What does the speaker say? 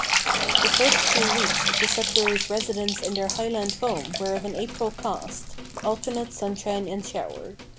The first few weeks of the Sudberrys' residence in their Highland home were of an April cast alternate sunshine and shower.